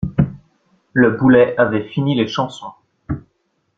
Le boulet avait fini les chansons.